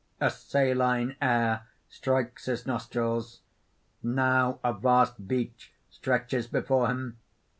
_ _A saline air strikes his nostrils. Now a vast beach stretches before him.